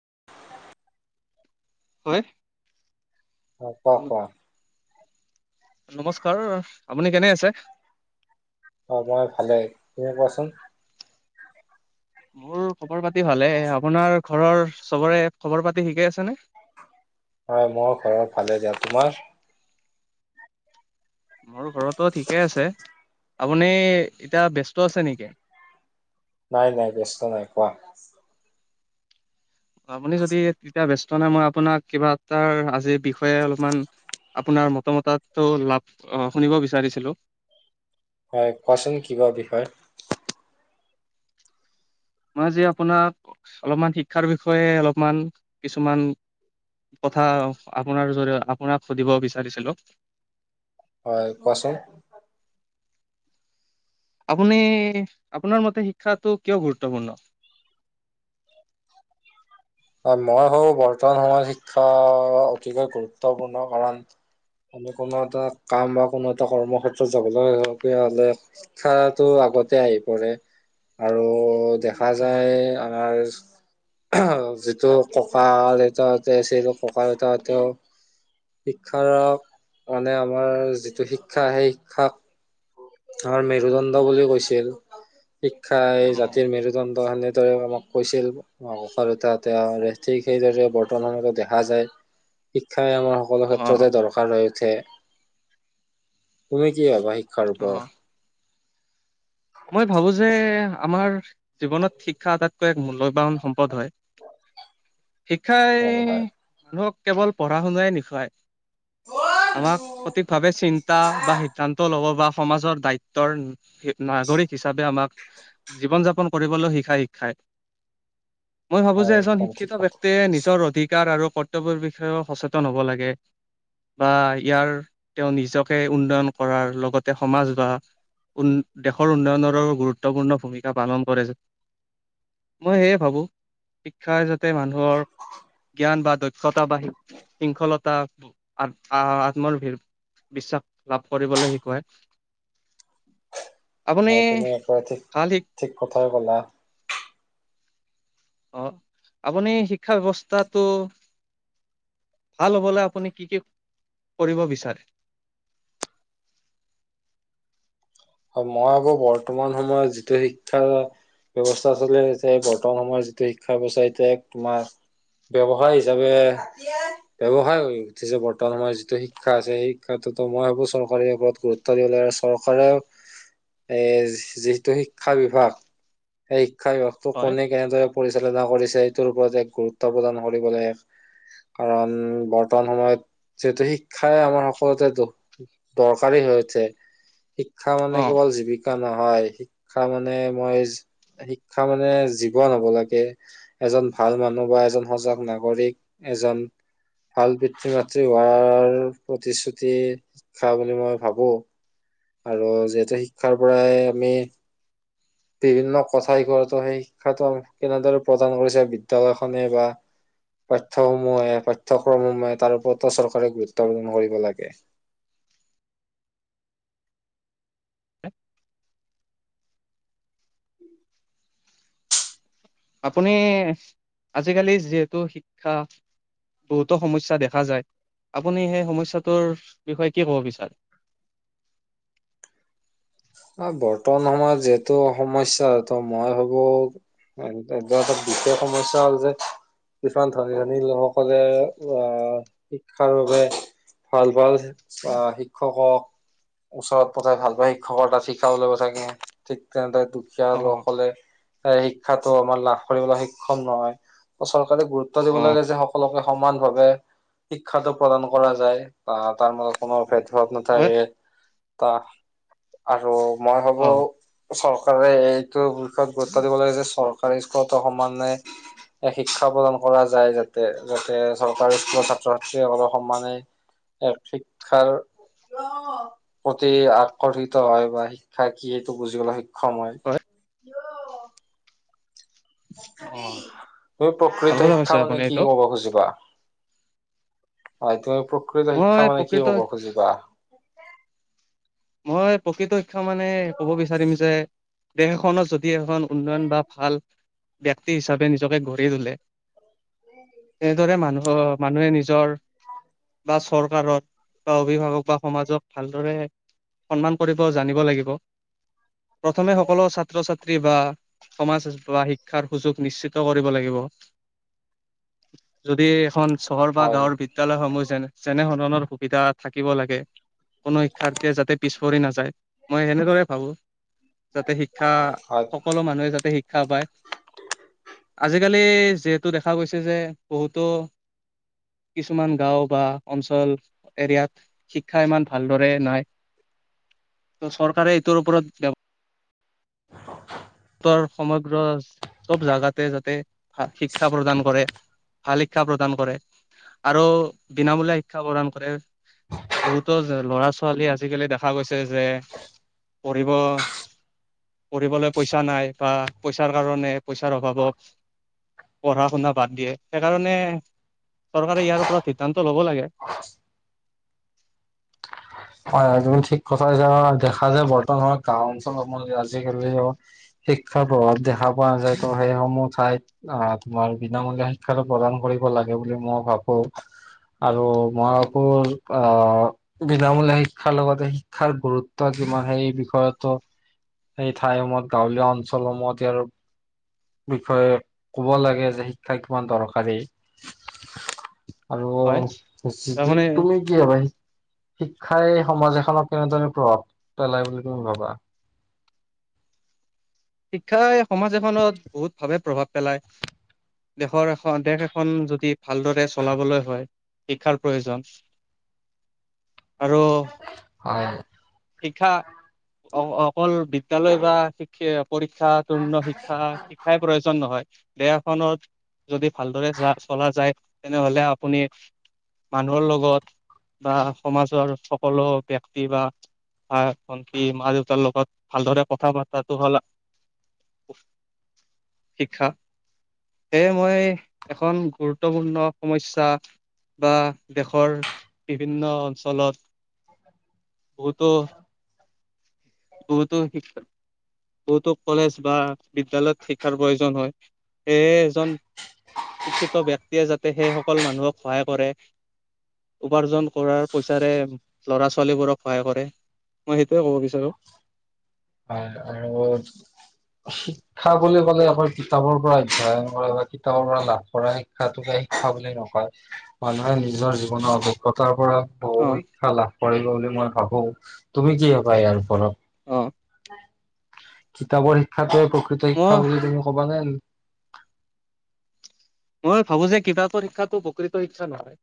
[unintelligible] হয়। অ' ন- কোৱা-কোৱা? নমস্কাৰ আপুনি কেনে আছে? অ' মই ভালেই তুমি কোৱাচোন মোৰ খবৰ পাতি ভালে। আপোনাৰ ঘৰৰ চবৰে খবৰ পাতি ঠিকেই আছেনে? [unintelligible] হয়, মই ঘৰৰ ফালে যওঁ তোমাৰ। মোৰ ঘৰতো ঠিকেই আছে। আপুনি এতিয়া ব্যস্ত আছে নেকি? নাই নাই ব্যস্ত নাই, কোৱা। আপুনি যদি তেতিয়া ব্যস্ত নাই মই আপোনাক কিবা এটাৰ আজিৰ বিষয়ে অলমান আপোনাৰ মতামততো লাভ শুনিব বিচাৰিছিলোঁ। হয় কোৱাচোন কি বা বিষয়। মই আজি আপোনাক অলপমান শিক্ষাৰ বিষয়ে অলপমান কিছুমান। কথা আপোনাৰ জৰিয় আপোনাক সুধিব বিচাৰিছিলোঁ। হয় কোৱাচোন। আপুনি- আপোনাৰ মতে শিক্ষাটো কিয় গুৰুত্বপূৰ্ণ? মই ভাবো বৰ্তমান সময়ত শিক্ষা অতিকৈ গুৰুত্বপূৰ্ণ কাৰণ। মানে কোনো এটা কাম বা কোনো এটা কৰ্মক্ষেত্ৰত যাবলৈ লগীয়া হ'লে শিক্ষাটো আগতে আহি পৰে। আৰু দেখা যায় হয় আমাৰ যিটো ককা-দেউতাহঁতে আছিল, ককা-দেউতাহঁতেও শিক্ষাৰ- মানে আমাৰ যিটো শিক্ষা, সেই শিক্ষাক আমাৰ মেৰুদণ্ড বুলিও কৈছিল। শিক্ষাই অ জাতিৰ মেৰুদণ্ড হ'লে দৰে আমাক কৈছিল ককা-দেউতাহঁতে আৰু ঠিক সেইদৰে বৰ্তমানতো দেখা যায়। শিক্ষাই আমাৰ সকলো অ', ক্ষেত্ৰতে দৰকাৰ হৈ উঠে। তুমি কি ভবা শিক্ষ অ'। মই ভাবো যে আমাৰ জীৱনত শিক্ষা আটাইতকৈ এক মূল্যবান সম্পদ হয়। শিক্ষাই হয় হয় কেৱল পঢ়া শুনাই নিশায়। আমাক সঠিক ভাৱে চিন্তা বা সিদ্ধান্ত ল'ব বা। সমাজৰ দায়িত্বৰ নাগৰিক হিচাপে আমাক জীৱন - যাপন কৰিবলৈ শিকায় শিক্ষাই। মই ভাবো হয় যে এজন একদম ঠিক শিক্ষিত কথা ব্যক্তিয়ে নিজৰ অধিকাৰ আৰু কৰ্তব্যৰ বিষয়েও সচেতন হ'ব লাগে। বা ইয়াৰ তেওঁ নিজকে উন্নয়ন কৰাৰ লগতে সমাজ বা দেশৰ উন্নয়নৰো গুৰুত্বপূৰ্ণ ভূমিকা পালন কৰে। মই সেয়ে ভাবো শিক্ষাই যা তে মানুহৰ জ্ঞান বা দক্ষতা বা শৃংখলতা আ আত্মাৰ ভিৰ বিশ্বাস লাভ কৰিবলৈ শিকায়। আপুনি হয়, তুমি একেবাৰে ঠিক ভাল শিক ঠিক কথাই ক'লা। অ'। আপুনি শিক্ষা ব্যৱস্থাটো ভাল হ'বলৈ আপুনি কি কি কৰিব বিচাৰে। [inaudible] অ মই আকৌ বৰ্তমান সময়ত যিটো শিক্ষা। ব্যৱস্থা চলি আছে বৰ্তমান সময়ত যিটো শিক্ষা ব্যৱস্থা এইটোয়ে তোমাৰ। ব্যৱসায় হিচাপে ব্যৱসায় হৈ উঠিছে। বৰ্তমান সময় যিটো শিক্ষা আছে সেই শিক্ষা। তো মই ভাবোঁ চৰকাৰে ইয়াৰ ওপৰত গুৰুত্ব দিলে আৰু চৰকাৰে। এ যিহেতু শিক্ষা বিভাগ। শিক্ষা বিভাগটো হয় কোনে কেনেদৰে পৰিচালনা কৰিছে এইটোৰ ওপৰত এক গুৰুত্ব প্ৰদান কৰিব লাগে। কাৰণ বৰ্তমান সময়ত যিহেতু শিক্ষাই আমাৰ সকলোতে দৰকাৰী শিক্ষা মানে অ কেৱল জীৱিকা নহয়। শিক্ষা মানে মই। শিক্ষা মানে জীৱন হব লাগে এজন ভাল মানুহ বা এজন সজাগ নাগৰিক এজন ভাল পিতৃ মাতৃ হোৱাৰ প্ৰতিশ্ৰুতি শিক্ষা বুলি মই ভাবো। [inaudible] আৰু যিহেতু শিক্ষাৰ পৰাই আমি। বিভিন্ন কথাাই শিক্ষোটো সেই শিক্ষাটো, কেনেদৰে প্ৰদান কৰিছে বিদ্য়ালয়খনে বা পাঠ্যসমূহে পাঠ্যক্ৰমসমূহে তাৰ ওপৰতো চৰকাৰে গুৰুত্ব প্ৰদান কৰিব লাগে। [unintelligible] আপুনি, আজিকালি যিহেতু শিক্ষা বহুতো সমস্যা দেখা যায় আপুনি সেই সমস্যাটোৰ বিষয়ে কি কব বিচাৰে। [unintelligible] বৰ্তমান সময়ত যিহেতু সমস্যা। ত মই ভাবো [unintelligible] দুয়টাক সমস্যা হ'ল যে। কিছুমান ধনী ধনী লোকসকলে অ' শিক্ষাৰ বাবে ভাল ভাল অহ, শিক্ষকক ওচৰত পঠাই ভাল পোৱা শিক্ষকৰ তাত শিকাব লাগিব থাকে, ঠিক তেনেৰে দুখীয়া অ লোকসকলে। [unintelligible] শিক্ষাটো আমাৰ লাভ কৰিবলৈ সক্ষম নহয়। চৰকাৰে গুৰুত্ব দিব অ লাগে যে সকলোকে। সমান ভাৱে, শিক্ষাটো প্ৰদান কৰা যায়। বা তাৰ মাজত কোনো ভে ঘৰত হয় নাথাকে, তা আৰু মই অ ভাবো চৰকাৰ [unintelligible] এইটো বিষয়ত গুৰুত্ব দিব লাগে যে চৰকাৰী স্কুলতো সমানে শিক্ষা প্ৰদান। কৰা যায় যাতে, যাতে চৰকাৰী স্কুলৰ ছাত্ৰ-ছাত্ৰীসকলৰ সমানে এক শিক্ষাৰ, প্ৰতি আকৰ্ষিত। হয় বা শিক্ষা কি সেইটো বুজিবলে সক্ষম হয় অ তুমি ভাল প্ৰকৃত কথা কৈছে শিক্ষা আপুনি মানে, কি এইটো কব খুজিবা। হয়, তুমি প্ৰকৃত মই শিক্ষা মানে কি প্ৰকৃত কব খুজিবা। মই প্ৰকৃত শিক্ষা মানে ক'ব বিচাৰিম যে, দেশখনত য এখন উন্নয়ন বা ভাল ব্যক্তি, হিচাপে নিজকে গঢ়ি তোলে। এইদৰে মানুহৰ, মানুহে নিজৰ। বা চৰকাৰত, বা অভিভাৱক বা সমাজক ভালদৰে। সন্মান কৰিব জানিব লাগিব। প্ৰথমে সকলো ছাত্ৰ-ছাত্ৰী বা সমাজ বা শিক্ষাৰ সুযোগ নিশ্চিত কৰিব লাগিব। যদি, এখন চহৰ বা হয় গাঁৱৰ বিদ্যালয়সমূহ যেনে, যেনে ধৰণৰ। সুবিধা থাকিব লাগে কোনো শিক্ষাৰ্থীয়ে যাতে পিছ পৰি নাযায় মই সেনেদৰে ভাবোঁ যাতে শিক্ষা, হয়। সকলো মানুহে যাতে শিক্ষা পায়। আজিকালি, যিহেতু দেখা গৈছে যে বহুতো। কিছুমান গাঁও বা অঞ্চল এৰিয়াত, শিক্ষা ইমান ভালদৰে নাই। ত' চৰকাৰে এইটোৰ ওপৰত ব্যৱ তৰ, সমগ্ৰ চব জাগাতে যাতে শিক্ষা প্ৰদান কৰে। ভাল শিক্ষা প্ৰদান কৰে। আৰু বিনামূলীয়া শিক্ষা প্ৰদান কৰে। বহুতো ল'ৰা-ছোৱালী আজিকালি দেখা গৈছে যে, পঢ়িব। পঢ়িবলৈ পইচা নাই বা পইচাৰ কাৰণে পইচাৰ অভাৱত পঢ়া শুনা বাদ দিয়ে সেইকাৰণে চৰকাৰে ইয়াৰ ওপৰত সিদ্ধান্ত ল'ব লাগে [unintelligible] শিক্ষাৰ প্ৰভাৱ দেখা পোৱা যায়। ত সেইসমূহঠাইত অহ, তোমাৰ বিনামূলীয়া শিক্ষাটো প্ৰদান কৰিব। কৰিব লাগে বুলি মই ভাবো। আৰু মই উম, ভাবো অহ, বিনামূলীয়া শিক্ষাৰ লগতে, শিক্ষাৰ গুৰুত্ব কিমান হয় এই বিষয়তো সেই ঠাইসমূহত গাঁৱলীয়া অঞ্চলসমূহত ই আৰু বিষয়ে কব লাগে যে শিক্ষা কিমান দৰকাৰী হয় আৰু তাৰমানে তুমি কি হ ভাই শিক্ষাই সমাজ এখনক কেনেধৰৰে প্ৰভাত পেলাই বুলি তুমি ভাবা। শিক্ষাই সমাজ এখনত বহুত ভাৱে প্ৰভাৱ পেলায়। দেশৰ এখন, দেশ এখন যদি ভালদৰে চলাবলৈ হয়, শিক্ষাৰ প্ৰয়োজন। আৰু হয় শিক্ষা অ' অকল বিদ্যালয় বা শিক্ষ পৰীক্ষা তৰ্ণ শিক্ষা শিক্ষাই প্ৰয়োজন নহয় বেয়াখনত যদি ভালদৰে চলা যায় তেনেহলে আপুনি মানুহৰ লগত বা সমাজৰ সকলো ব্য্ক্তি বা হন কি মা দেউতাৰ লগত ভালদৰে কথা পতাটো হ'ল শিক্ষা সেয়ে মই দেশৰ গুৰুত্বপূৰ্ণ সমস্যা বা দেশৰ বিভিন্ন অঞ্চলত তো [unintelligible] বহুতো কলেজ বা বিদ্যয়ালয়ত শিক্ষাৰ প্ৰয়োজন হয় সেয়ে এজন শিক্ষিত ব্যক্তিয়ে যাতে সেইসকল মানুহক সহায় কৰে। উপাৰ্জন কৰাৰ পইচাৰে লৰা ছোৱালীবোৰক সহায় কৰে মই সেইটোয়ে ক'ব বিচাৰো হয় আৰু শিক্ষা বুলি ক'লে আকৌ কিতাপৰ পৰা অধ্যয়ন কৰে বা কিতাপৰ পৰা লাভ কৰা শিক্ষাটোকে শিক্ষা বুলি নকয় মানুহে নিজৰ জীৱনৰ অভিজ্ঞতাৰ বহু অ শিক্ষা লাভ কৰিব বুলি মই ভাবো তুমি কি পাই ইয়াৰ ফলত অহ। কিতাপৰ শিক্ষাতয়ে প্ৰকৃত মই শিক্ষা বুলি তুমি ক'বা নে মই ভাবো যে কিতাপৰ শিক্ষাটো প্ৰকৃত শিক্ষা নহয়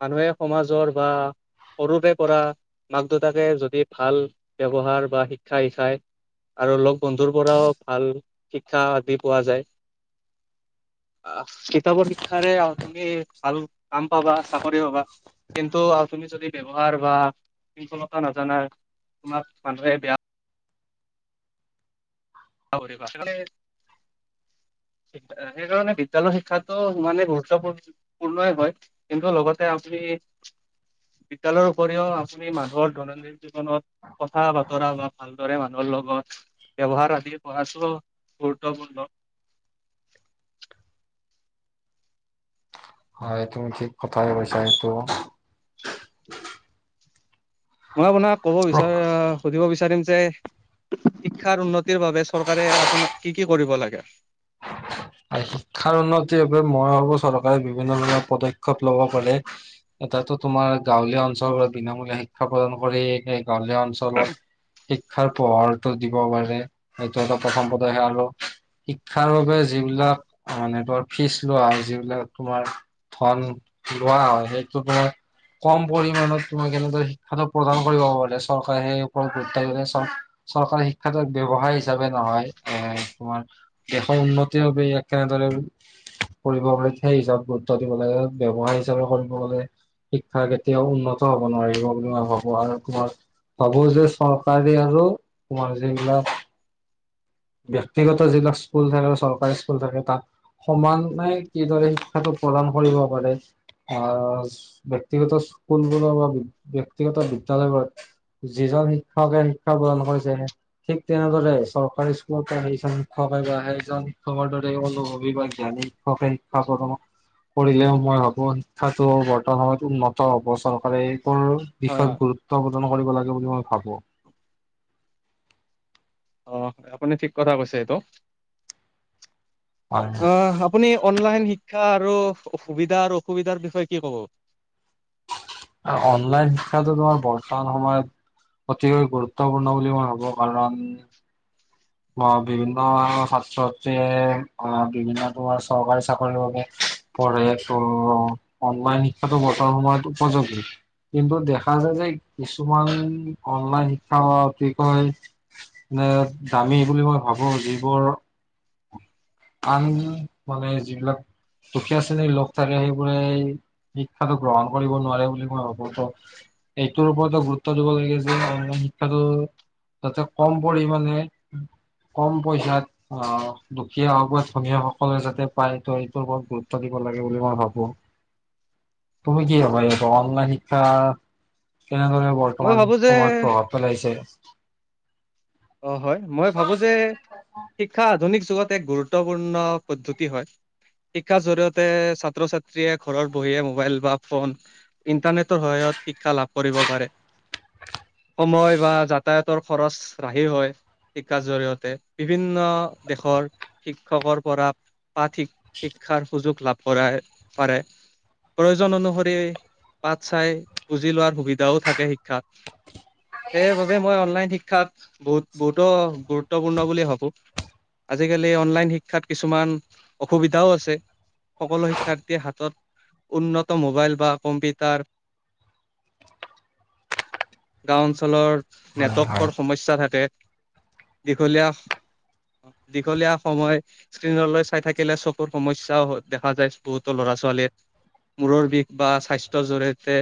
মানুহে সমাজৰ বা সৰুৰে পৰা মাক দেউতাকে যদি ভাল ব্যৱহাৰ বা শিক্ষা শিকায় আৰু লগ বন্ধুৰ পৰাও ভাল শিক্ষা আদি পোৱা যায় অ' কিতাপৰ শিক্ষাৰে তুমি ভাল কাম পাবা চাকৰি পাবা কিন্তু আৰু তুমি যদি ব্যৱহাৰ বা শৃংখলতা নাজানা তোমাক মানুহে বেয়া [unintelligible] সেইকাৰণে বিদ্য়ালয়ৰ শিক্ষাতটো ইানে গুৰুত্বপূৰ্ণ হয় কিন্তু লগতে আপুনি [unintelligible] বিদ্যালয় উপৰিও আপুনি মানুহৰ দৈনন্দিন জীৱনত কথা বতৰা বা ভালদৰে মানুহৰ লগ ব্যৱহাৰ আদি গুৰুত্ব পূৰ্ণ হয় তুমি ঠিক কথা কৈছা এইটো মই আপোনাক ক'ব বিচাৰ অ' সুধিব বিচাৰিম যে শিক্ষাৰ উন্নতিৰ বাবে চৰকাৰে আপোনাক কি কি কৰিব লাগে [unintelligible] শিক্ষাৰ উন্নতিৰ বাবে মই ভাবো চৰকাৰে বিভিন্ন ধৰণৰ পদক্ষেপ লব পাৰে এটাতটো তোমাৰ গাঁৱলীয়া হয় অঞ্চলত বিনামূলীয়া শিক্ষা প্ৰদান কৰি গাঁৱলীয়া অঞ্চলত খাৰ পোহৰটো দিব পাৰে সেইটো প্ৰথম পদক্ষে আৰু শিক্ষাৰ বাবে যিবিলাক মানে তোমাৰ ফিজ লোৱা হয় যিবিলাক তোমাৰ ধন লোৱা হয়, সেইটো মানে কম পৰিমানত তোমাক এনেদৰে শিক্ষাটো প্ৰদান কৰিব পাৰে চৰকাৰে সেই ওপৰত গুৰুত্ব দিল চৰকাৰী শিক্ষা এক ব্যৱসায় হিচাপে নহয় এ তোমাৰ দেশৰ উন্নতিৰ বাবে ইয়াক কেনেদৰে কৰিব পে সেই হিচাপ গুৰুত্ব দিব লাগে ব্য্ৱসায় হিচাপে কৰিব গলে শিক্ষা কেতিয়াও উন্নত হ'ব নোৱাৰিব বুলি হ'ব আৰু ঘৰত সাব যে চৰকাৰে আৰু মজিলা ব্যক্তিগত যিবিলাক স্কুল থাকে বা চৰকাৰী স্কুল থাকে তাত সমানে কিদৰে শিক্ষাটো প্ৰদান কৰিব পাৰে। অ' ব্যক্তিগত স্কুলবোৰ বা ব্যক্তিগত বিদ্যালয় বোৰত যি চব শিক্ষকে শিক্ষা গ্ৰহণ কৰিছে হে। ঠিক তেনেদৰে চৰকাৰী স্কুলৰ পৰা সেইজন শিক্ষক বা সেইজন তোমাৰ দৰে কোনোবা জ্ঞাণী শিক্ষাকে ফাৰ্ষ্টত হ'ব পঢ়িলেও মই ভাবো শিক্ষাটো বৰ্তমানত উন্নত হব চৰকাৰে অ', হয় হয়। বিষয়ত গুৰুত্ব প্ৰদান কৰিব লাগে বুলি মই ভাবো। অ' আপুনি ঠিক কথা কৈছে এইটো। হয় হয়, অ আপুনি অনলাইন শিক্ শিক্ষা আৰু সুবিধা আৰু অসুবিধাৰ বিষয়ে কি কব। অনলাইন শিক্ষাটো তোমাৰ বৰ্তমান সময়ত অতিকৈ গুৰুত্বপূৰ্ণ বুলি মই ভাবো কাৰণ, অ' বিভিন্ন ছাত্ৰ-ছাত্ৰীয়ে বিভিন্ন তোমাৰ চৰকাৰী চাকৰিৰ বাবে, পঢ়েতো অনলাইন শিক্ষাটো বৰ্তমান সময়ত উপযোগী। কিন্তু দেখা যায় যে কিছুমান অনলাইন শিক্ষা কি কয়। এহ দামী বুলি মই ভাবো যিবোৰ [unintelligible] আন মানে যিবিলাক দুখীয়া শ্ৰেণীৰ লগ থাকে সেইবোৰে শিক্ষাতো গ্ৰহণ কৰিব নোৱাৰে বুলি মই ভাবো তো। এইটোৰ ওপৰতো গুৰুত্ব দিব লাগে যে অনলাইন শিক্ষাটো যাতে কম পৰিমাণে উম, কম পইচাত অ' দুখীয়া হওক ধনীযে সকলে যাতে পায় ত এইটোৰ ওপৰত গুৰুত্ব দিব লাগে। লাগে বুলি মই ভাবো। [unintelligible] তুমি কি ভাবা অ', অনলাইন শিক্ষা তেনেধৰে মই বৰ্তমান ভাবো যে সময়ত প্ৰভাৱ পেলাইছে? অ' হয় মই ভাবো যে শিক্ষা আধুনিক [unintelligible] এক গুৰুত্বপূৰ্ণ পদ্ধতি হয় শিক্ষাৰ জৰিয়তে ছাত্ৰ ছাত্ৰীয়ে ঘৰত বহিয়ে মোবাইল বা ফোন ইন্টাৰনেটৰ সহায়ত শিক্ষা লাভ কৰিব পাৰে সময় বা যাতায়তৰ খৰচ। ৰাহি হয় শিক্ষাৰ জৰিয়তে বিভিন্ন দেশৰ শিক্ষকৰ পৰা। পাঠ শিক শিক্ষাৰ সুযোগ লাভ কৰাই পাৰে প্ৰয়োজন অনুসৰি পাঠ চাই বুজি লোৱাৰ সুবিধাও থাকে শিক্ষাত। সেইবাবে মই অনলাইন শিক্ষাত বহুত বহুতো গুৰুত্বপূৰ্ণ বুলি ভাবো। আজিকালি অনলাইন শিক্ষাত কিছুমান অসুবিধাও আছে। সকলো শিক্ষাৰ্থীয়ে হাতত উন্নত মোবাইল বা কম্পিউটাৰ, গাঁও অঞ্চলৰ, হয়-হয়। টা থাকে দীঘলীয়া দীঘলীয়া সময় স্ক্ৰীণলৈ চাই থাকিলে চকুৰ সমস্যাও দেখা যায় বহুতো লৰা ল'ৰা ছোৱালীৰ মূৰৰ বিষ বা স্বাস্থ্যৰ জৰিয়তে